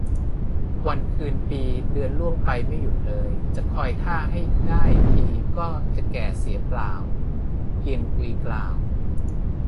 วันคืนปีเดือนล่วงไปไม่หยุดเลย จะคอยท่าให้ได้ทีก็จะแก่เสียเปล่า เกียงอุยกล่าว